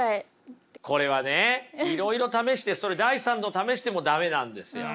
これはねいろいろ試してそれ第３の試しても駄目なんですよ。